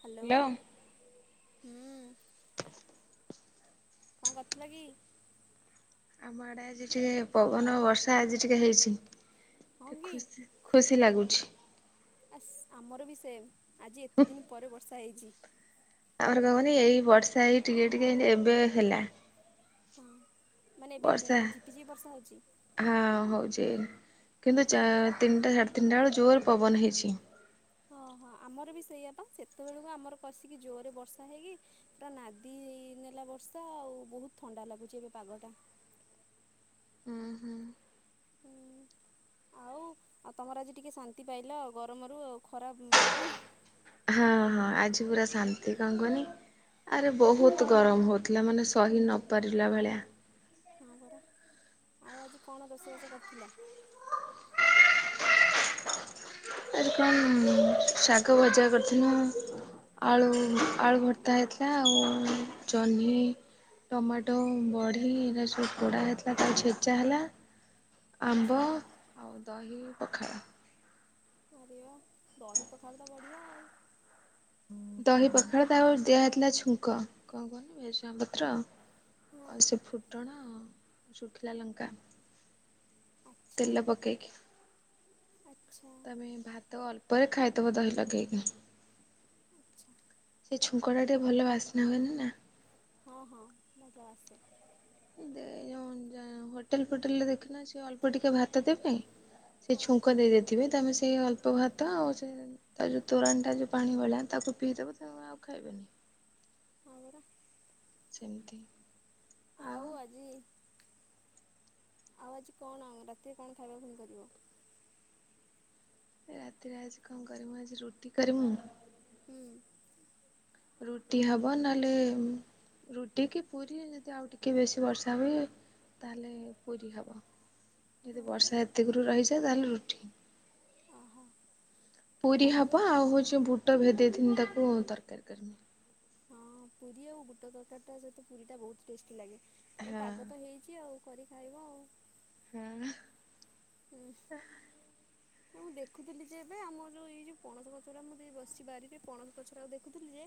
Hello ହୁଁ। କଣ କରୁଥିଲ କି? ଆମ ଆଡ଼େ ଆଜି ଟିକେ ପବନ, ବର୍ଷା ଆଜି ଟିକେ, ହେଇଛି ହଁ କି ଖୁସି। ଖୁସି ଲାଗୁଛି। ଆସ୍ ଆମର ବି ସେମ୍, ଆଜି ଏତେ ଦିନ ପରେ ବର୍ଷା ହେଇଚି। ଆମର କଣ କନି ଏଇ ବର୍ଷା ଏଇ ଟିକେ ଟିକେ ଏବେ ହେଲା। ହଁ, ମାନେ ଏବେ ଝିପି ଝିପି ବର୍ଷା ହଉଛି। ହାଁ ହଉଛି କିନ୍ତୁ ଓହୋ ଚାଆ ତିନଟା ସାଢ଼େ ତିନଟା ବେଳୁ ଜୋରେ ପବନ ହେଇଛି। ଓହୋ ଆମର ବି ସେଇଆପା ସେତେବେଳକୁ ଆମର କସିକି ଜୋରରେ ବର୍ଷା ହେଇକି ପୁରା ନାଦି ନେଲା ବର୍ଷା ଆଉ ବହୁତ ଥଣ୍ଡା ଲାଗୁଛି ଏବେ ପାଗ ଟା। ଉଁ ହୁଁ। ହୁଁ ଆଉ ଆଉ ତମର ଆଜି ଟିକେ ଶାନ୍ତି ପାଇଲ ଆଉ ଗରମରୁ ଆଉ ଖରାରୁ। ହଁ ହଁ ଆଜି ପୁରା ଶାନ୍ତି କଣ କୁହନି। ଆରେ ବହୁତ ଗରମ ହୋଉଥିଲା, ମାନେ ସହି ନପାରିଲା ଭଳିଆ। ହଁ ପରା ଆଉ ଆଜି କଣ ରୋଷେଇବାସ କରିଥିଲ? ଆଜି କନ୍ ଶାଗ ଭଜା କରିଥିଲୁ। ଆଳୁ ଆଳୁ ଭର୍ତ୍ତା ହେଇଥିଲା ଆଉ ଜହ୍ନି ଟମାଟୋ, ବଢି ଏଇଟା ସବୁ ପୋଡା ହେଇଥିଲା ତାକୁ ଛେଚା ହେଲା ଆଚ୍ଛା ଆମ୍ବ ଆଉ ଦହି ପଖାଳ। ଆରେ ବାହା ଦହି ପଖାଳ ତ ବଢିଆ ଆଉ। ଦହି ପଖାଳ ତାପରେ ଦିଆହେଇଥିଲା ଛୁଙ୍କ କଣ କୁହନି ଭେରସୁଙ୍ଗା ପତ୍ର ହଁ ଆଉ ସେ ଫୁଟଣ, ଶୁଖିଲା ଲଙ୍କା। ଆଚ୍ଛା ତେଲ ପକେଇକି। ଆଚ୍ଛା। ତମେ ଭାତ ଅଳ୍ପରେ ଖାଏ [unintelligible] ଦହି ଲଗେଇକି। ଆଚ୍ଛା। ସେ ଛୁଙ୍କଟା ଟିକେ ଭଲ ବାସ୍ନା ହୁଏନି ନା? ହଁ ହଁ ମଯା ଆସେ। ହୋଟେଲ ଫୋଟେଲରେ ଦେଖୁନ, ସେ ଅଳ୍ପ ଟିକେ ଭାତ ଦେବେ। ସେ ଛୁଙ୍କ ଦେଇଦେଏ। ଥିବେ ତାମେ ସେ ଅଳ୍ପ ଭାତ ଆଉ ସେ ତା ଯୋଉ ତୋରାଣିଟା ଯୋଉ ପାଣି ଭଳିଆ ତାକୁ ପିଇଦେବ ତ। ମୁଁ ଆଉ ଖାଇବିନି। ହଁ ପରା। ସେମତି। ଆଉ ଆଜି ଆଉ ଆଜି କଣ ରାତିରେ କଣ ଖାଇବାକୁ ଫୁଣି କରିବ? ରାତିରେ ଆଜି କଣ କରିମୁ ଆଜି ରୁଟି କରିମୁ। ହୁଁ। ରୁଟି ହବ ନହେଲେ। ରୁଟି କି ପୁରୀ ଯଦି ଆଉ ଟିକେ ବେଶୀ ବର୍ଷା ହୁଏ। ତାହେଲେ ପୁରୀ ହବ ଅ ଯଦି ହଁ ବର୍ଷା ଏତିକୁରୁ ରହିଯାଏ ତାହେଲେ ରୁଟି। ଅହ। ପୁରୀ ହବ ଆଉ ହଉଚି ବୁଟ ଭେଦେଇ ଥିନି ତାକୁ ତରକାରୀ କରିମି। ହଁ ପୁରୀ ଆଉ ବୁଟ ତରକାରୀ ଟା ସହିତ ପୁରୀ ଟା ବହୁତ୍ ଟେଷ୍ଟି ଲାଗେ ତାପରେ ପାଗ ତ ହଁ ହେଇଛି ଆଉ। କରି ଖାଇବ ଆଉ। ହଁ। ହୁଁ। ଏ ମୁଁ ଦେଖୁଥିଲି ଯେ ଏବେ ଆମର ଯୋଉ ଏଇ ଯୋଉ ପଣସ ଗଛରା ମୁଁ ଦେ ବସଚି ବାରିରେ ପଣସ ଗଛଗୁରାକୁ ଦେଖୁଥିଲି ଯେ।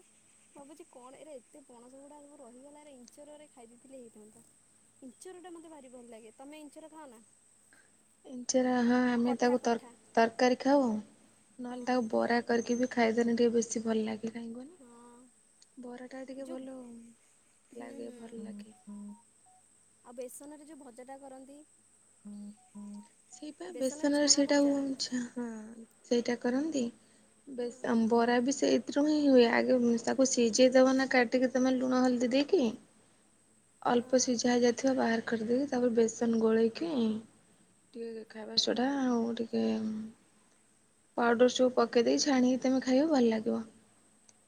ଭାବୁଛି କଣ ଏରା ଏତେ ପଣସ ଗୁଡା ସବୁ ରହିଗଲା ଆରେ ଇଞ୍ଚରରେ ଖାଇ ଦେଇଥିଲେ ହେଇଥାନ୍ତା। ଇଞ୍ଚରଟା ମତେ ଭାରି ଭଲ ଲାଗେ ତମେ ଇଞ୍ଚର ଖାଅ ନା? ଇଞ୍ଚରା ହଁ ଆମେ କଠା ତାକୁ ତର୍ କଠା ତରକାରୀ ଖାଉ ହଁ ନହେଲେ ତାକୁ ବରା କରିକି ବି ଖାଇଦେଲେ ଟିକେ ବେଶୀ ଭଲ ଲାଗେ। ଏ କାହିଁ କୁହନି ହଁ ବରା ଟା ଟିକେ ଯୋଉ ଭଲ ଲାଗେ ହୁଁ ଭଲ ଲାଗେ। ହୁଁ ଆଉ ବେସନରେ ଯୋଉ ଭଜା ଟା କରନ୍ତି। ସେଇ ପା ବେସନରେ ଛଣା ସେଇଟା ଉ ଭଜା ଚ୍ଛା ହଁ ସେଇଟା କରନ୍ତି। ହଁ ହଁ ବେଶ ଅମ୍ବରା ବି ସେଇ। [unintelligible] ହୁଏ ଆଗେ ତାକୁ ସିଜେଇ ଦବ ନା କାଟିକି ତମେ ଲୁଣ ହଳଦୀ ଦେଇକି। ଅଳ୍ପ ସିଝା ହେଇଯାଇଥିବ ବାହାର କରିଦେଇକି ତାପରେ ବେସନ ଗୋଳେଇକି। ଟିକେ ଖାଇବା ସୋଢା ଆଉ ଟିକେ। ପାଉଡର ସବୁ ପକେଇ ଦେଇକି ଛାଣିକି ତମେ ଖାଇବ ଭଲ ଲାଗିବ।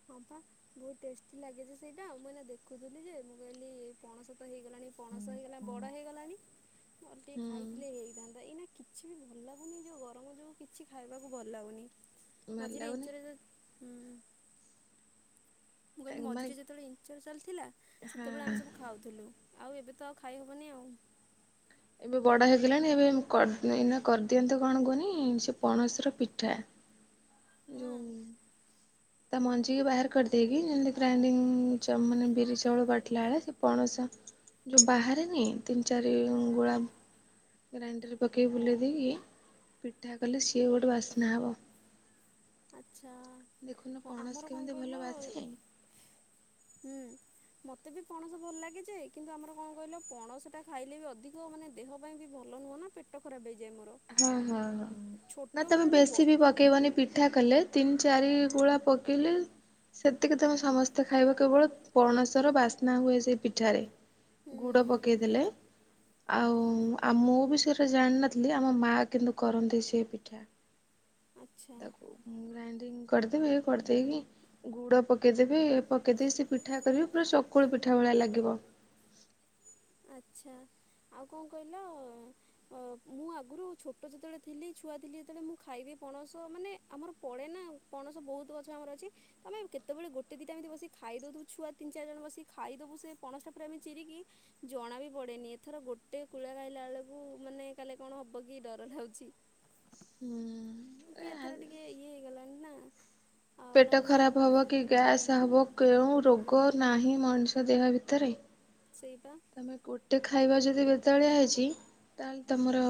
ହଁ ପା ବହୁତ ଟେଷ୍ଟି ଲାଗେ ଯେ ସେଇଟା ମୁଁ ଏଇନା ଦେଖୁଥିଲି ଯେ ମୁଁ କହିଲି ପଣସ ତ ହେଇଗଲାଣି। ପଣସ ହେଇଗଲା ବଡ ହେଇଗଲାଣି। [inaudible] ନହେଲେ ଟିକେ ହୁଁ। ଖାଇଥିଲେ ହେଇଥାନ୍ତା ଏଇନା। କିଛି ବି ଭଲ ଲାଗୁନି ଯୋଉ ଗରମ ଯୋଗୁ କିଛି ଖାଇବାକୁ ଭଲ ଲାଗୁନି। ଭଲ ମଝିରେ ଲାଗୁନି ଇଞ୍ଚରା ଯୋଉ ହୁଁ। ମୁଁ କହିଲି ମାନେ ମଝିରେ ଯେତେବେଳେ ଇଞ୍ଚର ଚାଲିଥିଲା ହଁ ସେତେବେଳେ ଆମେ ସବୁ ଖାଉଥୁଲୁ ଆଉ ଏବେ ତ ଆଉ ଖାଇ ହବନି ଆଉ। ଏବେ ବଡ଼ ହେଇଗଲାଣି ଏବେ ଏ ମୁଁ କର ନା ଏଇନା କରଦିଅନ୍ତେ କଣ କୁହନି ସେ ପଣସର ପିଠା। ହଁ ଯୋଉ। ତା ମଞ୍ଜିିକି ବାହାର କରିଦେଇକି ଯେମତି ଗ୍ରାଇଡିଙ୍ଗ ଚା ମାନେ ବିରି ଚାଉଳ ବାଟିଲା ବେଳେ ସେ ପଣସ। ଯୋଉ ବାହାରେନି ତିନି ଚାରି ହଁ ଗୁଳା। ଗ୍ରାଇଣ୍ଡରରେ ପକେଇକି ବୁଲେଇ ଦେଇକି ପିଠା କଲେ ସିଏ ଗୋଟେ ବାସ୍ନା ହବ। ଆଚ୍ଛା ଦେଖୁନ ହଁ ପଣସ ଆମର କଣ କେମିତି ଭଲ କହିଲ ବାସେ ହୁଁ। ମତେ ବି ପଣସ ଭଲ ଲାଗେ ଯେ କିନ୍ତୁ ଆମର କଣ କହିଲ ପଣସ ଟା ଖାଇଲେ ବି ଅଧିକ ମାନେ। ଦେହ ପାଇଁ ବି ଭଲ ନୁହଁ ନା ପେଟ ଖରାପ ହେଇଯାଏ ମୋର। ହଁ ହଁ ହଁ ନା ତମେ ଛୋଟବେଳେ ମୁଁ ବ ବେଶୀ ବି ପକେଇବନି ପିଠା କଲେ ତିନି ଚାରି ଗୁଳା ପକେଇଲେ ସେତିକି ତମେ ସମସ୍ତେ ଖାଇବ କେବଳ ପଣସର ବାସ୍ନା ହୁଏ ସେ ପିଠାରେ ହୁଁ ଗୁଡ ପକେଇଲେ ଆଉ ଆଉ ମୁଁ ବି ସେଗୁରା ଜାଣିିନଥିଲି। ଆମ ମା କିନ୍ତୁ କରନ୍ତି ସେ ପିଠା। ଆଚ୍ଛା ଗ୍ରାଇଡିଂ କରିଦେବେ କରିଦେଇନି ଗୁଡ ପକେଇଦେବ ପକେଇଦେଇ ସେ ପିଠା କରିବି ପୁରା ସକୁଳୁ ପିଠା ଭଳିଆ ଲାଗିବ। ଆଚ୍ଛା ଆଉ କଣ କହିଲ ଅ ମୁଁ ଆଗରୁ ଛୋଟ ଯେତେବେଳେ ଥିଲି ଛୁଆ ଥିଲି ଯେତେବେଳେ ମୁଁ ଖାଇବି ପଣସ ମାନେ ଆମର ପଡ଼େ ନା ପଣସ ବହୁତ ଗଛ ଆମର ଅଛି। ତମେ କେତେବେଳେ ଗୋଟେ ଦିଟା ଏମତି ବିକ ଖାଇଦଉୁ ଛୁଆ ତିନି ଚାରି ଜଣ ବସି ଖାଇଦବୁ ସେ ପଣସା ପରେ ଆମେ ଚିରିକି ଜଣା ବି ପଡେନି ଏଥର ଗୋଟେ କୁଳା ଗାଇଲା ବେଳକୁ ମାନେ କାଲି କଣ ହବ କି ଡର ଲାଗୁଛି। ହୁଁ। କି ଏଥର ଟିକେ ଇଏ ହେଇଗଲାଣି ନା। ଆଉ ପେଟ ନହେଲେ ଖରାପ ଆଗରୁ ହେବ କି ହୁଁ ଗ୍ୟାସ୍ ହବ କେଉଁ ହୁଁ ରୋଗ ନାହିଁ ମଣିଷ ଦେହ ଭିତରେ। ସେଇବା। ତମେ ଗୋଟେ ଖାଇବା ଯଦି ବେତାଳିଆ ହେଇଛି ତାହେଲେ ତମର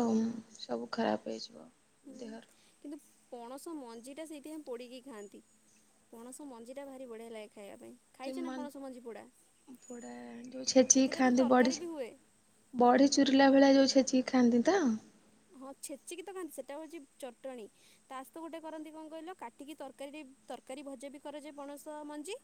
ସବୁ ଖରାପ ହେଇଯିବ। ହୁଁ ଦେହର କିନ୍ତୁ ପଣସ ମଞ୍ଜି ଟା ସେଇଥିପାଇଁ ପୋଡିକି ଖାଆନ୍ତି। ପଣସ ମଞ୍ଜିଟା ଭାରି ବଢ଼ିଆ ଲାଗେ ଖାଇବା ପାଇଁ। [unintelligible] ଖାଇଛ ନା ପଣସ ମଞ୍ଜି ପୋଡ଼ା ପଡା ଯୋଉ ଛେଚିକି ସେଥିରେ ତ ଖାଆନ୍ତି ବଡି ତରକାରୀ ବି ହୁଏ। ବଢି ଚୁୁରିଲା ଭଳିଆ ଯୋଉ ଛେଚିକି ଖାଆନ୍ତି ତ? ହଁ ଛେଚିକି ତ ଖାଆନ୍ତି ସେଇଟା ହଉଛି ଚଟଣୀ। ତାସହ ଗୋଟେ କରନ୍ତି କଣ କହିଲ କାଟିକି ତରକାରୀ ତରକାରୀ ଭଜା ବି କରାଯାଏ ପଣସ ମଞ୍ଜି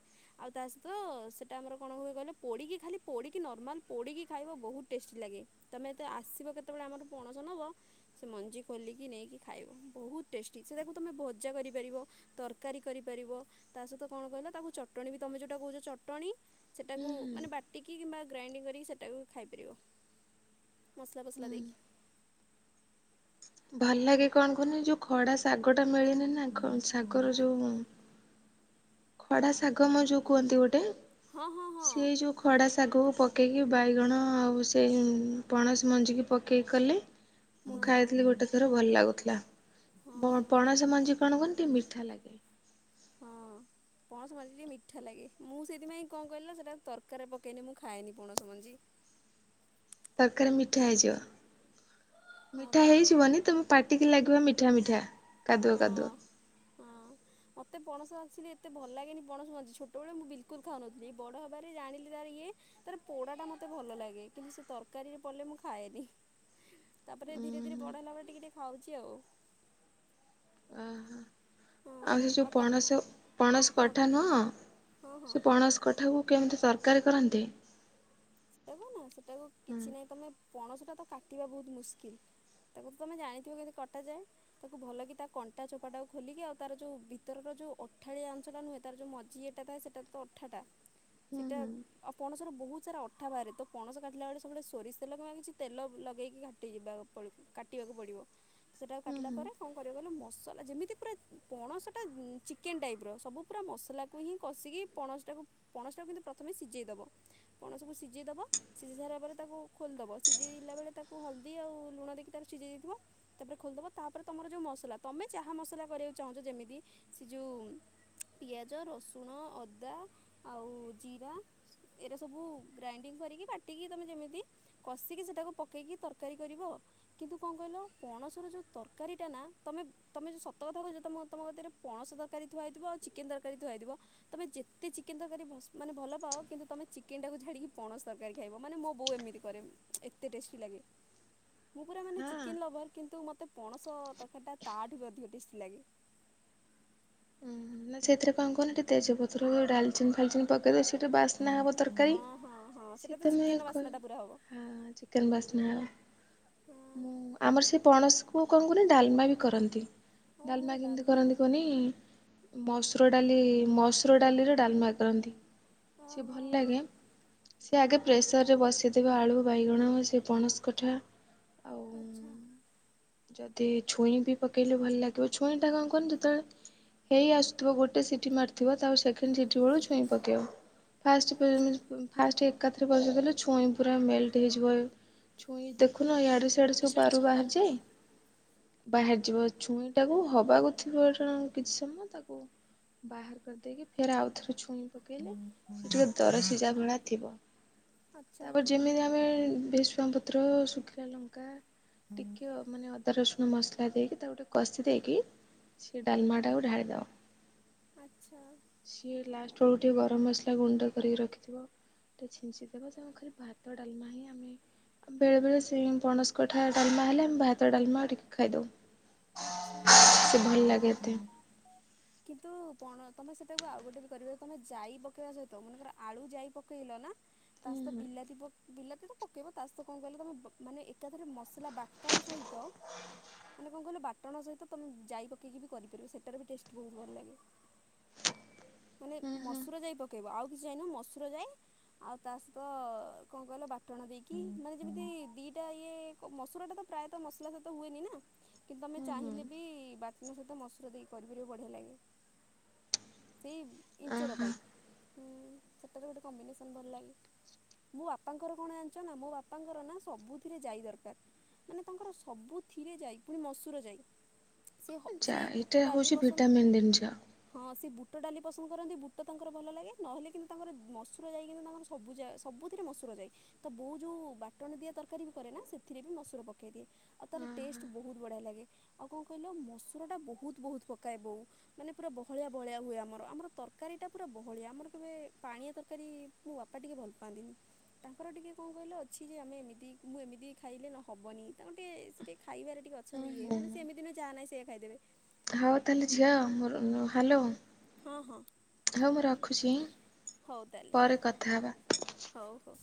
ଆଉ ତା ସହିତ ସେଇଟା ଆମର କଣ ହୁଏ କହିଲେ ପୋଡ଼ିକି ଖାଲି ପୋଡ଼ିକି ନର୍ମାଲ୍ ପୋଡ଼ିକି ଖାଇବା ବହୁତ ଟେଷ୍ଟି ଲାଗେ। ତମେ ଏ ତେ ଆସିବ କେତେବେଳେ ଆମର ପଣସ ନବ ସେ ମଞ୍ଜି ଖୋଲିକି ନେଇକି ଖାଇବ ବହୁତ ଟେଷ୍ଟି ସେଟାକୁ ତୁମେ ଭଜା କରିପାରିବ। ତରକାରୀ କରିପାରିବ ତା ସହିତ କଣ କହିଲା ତାକୁ ଚଟଣୀ ବି ତମେ ଯୋଉଟା କହୁଛ ଚଟଣୀ। ସେଟାକୁ ମାନେ ବା ହୁଁ ଟିକି କିମ୍ବା ଗ୍ରାଇଣ୍ଡିଙ୍ଗ କରିକି ସେଇଟାକୁ ଖାଇପାରିବ ମସଲା ଫସଲା ଦେଇକି। ଭଲ ଲାଗେ କଣ କରୁନି ଯୋଉ ଖଡା ଶାଗ ଟା ମିଳିନି ନା ଶାଗର ଯୋଉ ଖଡା ଶାଗ ମ ଯୋଉ କୁହନ୍ତି ଗୋଟେ ହଁ ହଁ ହଁ ସେ ଯୋଉ ଖଡ଼ା ଶାଗକୁ ପକାଇକି ବାଇଗଣ ଆଉ ସେଇ ପଣସ ମଞ୍ଜିିକି ପକେଇକି କଲେ। ମୁଁ ହଁ ଖାଇଥିଲି ଗୋଟେ ଥର ଭଲ ଲାଗୁଥିଲା। ହଁ ପଣସ ମଞ୍ଜି କଣ କୁହନ୍ତି ମିଠା ଲାଗେ। ହ ହଁ। [unintelligible] ପଣସ ମଞ୍ଜି ଟିକେ ମିଠା ଲାଗେ ମୁଁ ସେଥିପାଇଁ କଣ କହିଲା ସେଟା ତରକାରିରେ ପକେଇନି ମୁଁ ଖାଏନି ପଣସ ମଞ୍ଜି। ତରକାରୀ ମିଠା ହେଇଯିବ ହଁ ମିଠା ପା ହେଇଯିବନି ତୁମେ ପାଟିକି ଲାଗିବ ମିଠା ମିଠା। କାଦୁଅ ହଁ କାଦୁଅ ହଁ। ମତେ ପଣସ ଆସିଲେ ଏତେ ଭଲ ଲାଗେନି ପଣସ ମଞ୍ଜି ଛୋଟବେଳେ ମୁଁ ବିଲକୁଲ ଖାଉନଥିଲି ବଡ଼ ହବାର ଜାଣିଲି ତାର ଇଏ ତାର ପୋଡା ଟା ମତେ ଭଲ ଲାଗେ କିନ୍ତୁ ସେ ତରକାରୀରେ ପଡ଼ିଲେ ମୁଁ ଖାଏନି। ତାପରେ ଧୀରେ ଧୀରେ ବଡ ଉଁ ହେଲା ପରେ ଟିକେ ଟିକେ ଖାଉଛି ଆଉ। ଓ ହୋ। ହଁ ଆଉ ସେ ଯୋଉ ତ ପଣସ ପଣସ ହଁ କଠା ନୁହଁ ହଁ ହଁ। ସେ ପଣସ କଠାକୁ କେମିତି ତରକାରୀ କରନ୍ତି? ସେଟାକୁ ନା ସେଟାକୁ ହୁଁ କିଛି ନାହିଁ ତମେ ପଣସଟା ତ କାଟିବା ବହୁତ୍ ମୁସ୍କିଲ୍। ତାକୁ ତ ତମେ ଜାଣିଥିବ କେମିତି କଟା ଯାଏ। ତାକୁ ଭଲ କି ତା କଣ୍ଟା ଚୋପା ଟା ଖୋଲିକି ଆଉ ତାର ଯଉ ଭିତରର ଯଉ ଅଠାଳିଆ ଅଂଶ ନୁହେଁ ତାର ଯଉ ମ [unintelligible] ସେଟା ତ ଅଠାଟା। ହ [unintelligible] ସେଟା ଆଉ ପଣସ ର ବହୁତ୍ ସାରା ଅ ଅଠା ବାହାରେ ତ ପଣସ କାଟିଲା ବେଳେ ସବୁବେଳେ ସୋରିଷ ତେଲ ବା କିଛି ତେଲ ଲଗେଇ କାଟିଯିବା ପଡିବ। କାଟିବାକୁ ପଡିବ ସେଟାକୁ ହୁଁ ହୁଁ କାଟିଲା ହଁ। ପରେ କଣ କରିବ କହିଲ ମସଲା ଯେମିତି ପୁରା ପଣସଟା ଚିକେନ୍ ଟାଇପ୍ ର ସବୁ ପୁରା ମସଲା କୁ ହିଁ କଷିକି ପଣସଟାକୁ-ପଣସଟାକୁ କିନ୍ତୁ ପ୍ରଥମେ ସିଜେଇଦବ ପଣସକୁ ସିଜେଇଦବ ସିଜି ସାରିଲା ପରେ ତାକୁ ଖୋଲିଦବ ସିଜେଇଲା ବେଳେ ତାକୁ ହଲଦୀ ଆଉ ଲୁଣ ଦେଇକି ତାକୁ ସିଜେଇ ଦେଇଥିବ ତାପରେ ଖୋଲିଦବ ତାପରେ ତମର ଯଉ ମସଲା ତମେ ଯାହା ମସଲା କରିବାକୁ ଚାହୁଁଚ ଯେମିତି ସେ ଯଉ ପିଆଜ, ରସୁଣ, ଅଦା ଆଉ ଜିରା ଏରା ସବୁ ଗ୍ରାଇଣ୍ଡିଙ୍ଗ୍ କରିକି ବାଟିକି ତମେ ଯେମିତି କଷିକି ସେଇଟାକୁ ପକେଇକି ତରକାରୀ କରିବ ଆଉ କିନ୍ତୁ କଣ କହିଲ ପଣସ ର ଯଉ ତରକାରୀ ଟା ନା ତମେ ତମେ ସତ କଥା କହୁଚ ତମ- ତମ କତିରେ ପଣସ ତରକାରୀ ଥୁଆହେଇଥିବ ଆଉ ଚିକେନ୍ ତରକାରୀ ଥୁଆ ହେଇଥିବ ତମେ ଯେତେ ଚିକେନ୍ ତରକାରୀ ଭ-ମାନେ ଭଲ ପାଅ କିନ୍ତୁ ତୁମେ ଚିକେନ୍ ଟାକୁ ଛାଡ଼ିକି ପଣସ ତରକାରୀ ଖାଇବ ମାନେ ମୋ ବଉ ଏମିତି କରେ ଏତେ ଟେଷ୍ଟି ଲାଗେ। ମୁଁ ପୁରା ମାନେ ଚିକେନ୍ ଲଭର୍ କିନ୍ତୁ ମୋତେ ପଣସ ତରକାରୀଟା ତାଠୁ ବି ଅଧିକ ଟେଷ୍ଟି ଲାଗେ। ହଁ ମୁଁ ସେଥିରେ କଣ କରେ ଟିକେ ତେଜପତ୍ର ଡାଲଚିନ୍ ଫାଲଚିନ୍ ପକ୍ ଦେଲେ ସିଏ ବାସ୍ନା ହେବ ତରକାରୀ ହଁ ହଁ ହଁ ସେଇଟା ତ ସିଏ। ଚିକେନ ର ବାସ୍ନା [unintelligible] ଟା ପୁରା ହବ। ଆ- ଚିକେନ୍ ବାସ୍ନାହେଲା। ହଁ ମୁଁ ଆମର ସେ ପଣସ କୁ କଣ କରେ ଡାଲ୍ମା ବି କରନ୍ତି। ଓହୋ ଡାଲ୍ମା କେମିତି ଡାଲମା କରନ୍ତି କୁଅନି? ମସୁର ଡାଲି-ମସୁର ଡାଲିରେ ଡାଲ୍ମା କରନ୍ତି। ସେ ଓହୋ ଭଲ୍ ଲାଗେ। ସେ ଆଗେ ପ୍ରେସର୍ ରେ ବସିଥିବ ଆଳୁ, ବାଇଗଣ, ସେ ପଣସ କଠା ଆଉ ଆଛା। ଯଦି ଛୁଇଁ ବି ପକେଇଲେ ଭଲ ଲାଗିବ ଛୁଇଁ ଟା କଣ କୁହନି ଯେତେବେଳେ ହେଇ ଆସୁଥିବ ଗୋଟେ ସିଟି ମାରିଥିବ ତା ସେକେଣ୍ଡ୍ ସିଟିି ବେଳକୁ ଛୁଇଁ ପକେଇବ। ଫାଷ୍ଟ୍ ଆଚ୍ଛା। [unintelligible] ଫାଷ୍ଟ ଏକାଥରେ ବସେଦଲେ ଛୁଇଁ ପୁରା ମେଲ୍ଟ୍ ହେଇଯିବ ଛୁଇଁ ଦେଖୁନ ଇଆଡେ ଏରା ସବୁ ଆଚ୍ଛା ପାରୁ ବାହାରୁଚି। ବାହାରି ଯିବ ଛୁଇଁଟାକୁ ହବାକୁ ଥିବ-ର କିଛି ସମୟ ତାକୁ ବାହାର କରିଦେଇକି ଫେରେ ଆଉ ଥରେ ଛୁଇଁ ପକେଇଲେ ସେ ଟିକେ ଦର ସିଜା ଭଳିଆ ଥିବ। ଆଚ୍ଛା ତାପରେ ଯେମିତି ଆମେ ଭେର୍ସୃଙ୍ଗା ପତ୍ର, ଶୁଖିଲା ଲଙ୍କା ଟିକେ ମାନେ ଅଦା ରସୁଣ ମସଲା ଦେଇକି ତାକୁ ଟିକେ କଷି ଦେଇକି ସେ ଡାଲ୍ମା ଟାକୁ ଢାଳିଦବ। ଆଚ୍ଛା। ସିଏ ଲାଷ୍ଟ୍ ବଳକୁ ଟିକେ ଗରମ୍ ମସଲା ଗୁଣ୍ଡ କରିକି ରଖିଥିବ ସେ ଛିଞ୍ଚିଦବ ସେ ଖାଲି ଭାତ ଟା ବେଳେ ବେଳେ ସେ ପଣସ କଠା ଡାଲ୍ମା ହେଲେ ଭାତ୍ ଭାତ ଡାଲ୍ମା ଟିକେ ଖାଇଦଉ। ଆଛା- ସେ ଭଲ ଲାଗେ ଏତେ ହଁ। କିନ୍ତୁ ପଣ ତମେ ସେଟାକୁ ଆଉ ଗୋଟେ ବି କରିବ ତମେ ଜାଇ ପକେଇବା ସହିତ ମନେକର ଆଳୁ, ଜାଇ ପକେଇଲ ନା ତା ହୁଁ ସତ ହୁଁ ବିିଲାତି ପ ବିଲାତି ତ ପକେଇବ ତା ସହିତ କଣ କହିଲ ତମେ ବ ମାନେ ଏକାଥରେ ମସଲା ବାଟଣ ସହିତ ମାନେ କଣ କହିଲ ବାଟଣ ସହିତ ତମେ ଜାଇ ପକେଇକି ବି କରିପାରିବ ସେଟାର ବି ଟେଷ୍ଟ ବହୁତ ଭଲ ଲାଗେ। ମାନେ ହୁଁ ହୁଁ ମସୁର ଜାଇ ପକେଇବ ଆଉ କିଛି ଜାଇ ନୁହଁ ମସୁର ଜାଇ, ଆଉ ତା ସତ କଣ କହିଲ ବାଟଣ ଦେଇକି ମାନେ ଯେମିତି ଦିଟା ଇଏ କ ମସୁର ଟା ତ ପ୍ରାୟତଃ ମସଲା ସହିତ ହୁଏନି ନା! କିନ୍ତୁ ତମେ ହୁଁ ଚାହିଁଲେ ବି ହୁଁ। ବାଟ୍ନ ସହିତ ମସୁର ଦେଇ କରିପାରିବ ବଢିଆ ଲାଗେ। ସେ ଇଁଞ୍ଚର ଆହା ପାଇଁଁ, ହୁଁ ସେଟାର ବି ଗୋଟେ କମ୍ବିନେସନ ଭଲ ଲାଗେ। ମୋ ବାପାଙ୍କର କଣ ଜାଣିଚ ନା ମୋ ବାପାଙ୍କର ନା ସବୁଥିରେ ଜାଇ ଦରକାର। ମାନେ ତାଙ୍କର ସବୁଥିରେ ଜାଇ ପୁଣି ମସୁର ଜାଇ। ସେ ହ ଯା ସିଏ ଏଇଟା ବୁଟ ଡାଲି ହଉଛି ପସନ୍ଦ ଭିଟାମିନ୍ ଜିନିଷ। ହଁ ସେ ବୁଟ ଡାଲି ପସନ୍ଦ କରନ୍ତି ବୁଟ ତାଙ୍କର ଭଲ ଲାଗେ, ନହେଲେ କିନ୍ତୁ ତାଙ୍କର ମସୁର ଜାଇ କିନ୍ତୁ ତାଙ୍କର ସବୁ ଯା ସବୁଥିରେ ମସୁର ଜାଇ। ତ ବୋଉ ଯୋଉ ବାଟଣ ଦିଆ ତରକାରୀ ବି କରେ ନା ସେଥିରେ ବି ମସୁର ପକେଇ ଦିଏ ଆଉ ତାର ଟେଷ୍ଟ ହୁଁ ବହୁତ ବଢିଆ ଲାଗେ, ଆଉ କଣ କହିଲ ମସୁର ଟା ବହୁତ ବହୁତ ପକାଏ ବୋଉ। ମାନେ ପୁରା ବହଳିଆ ବହଳିଆ ହୁଏ ଆମର, ଆମର ତରକାରୀଟା ପୁରା ବହଳିଆ ଆମର କେବେ ପାଣିଆ ତରକାରୀ ମୋ ବାପା ଟିକେ ଭଲ୍ ପାଆନ୍ତିନି। ତାଙ୍କର ଟିକେ କଣ କହିଲ ଅଛି ଯେ ଆମେ ଏମିତି ମୁଁ ଏମିତି ଖାଇଲେ ନ ହବନି ତାଙ୍କ ଟିକେ ସେ ଟିକେ ଖାଇବାରେ ଟିକେ ଅଛନ୍ତି ଇଏ ହୁଁ। ମାନେ ସିଏ ଏମିତିି ନୁହେଁ ଯାହା ନାହିଁ ସେଇଆ ଖାଇଦେବେ। ହଉ ତାହେଲେ ଝିଅ ମରୁନୁ ହାଲୋ, ହଁ ହଁ ହଉ ମୁଁ ରଖୁଛିଁ ହଉ ତାହେଲେ ପରେ କଥା ହବା। ହଉ ହଉ।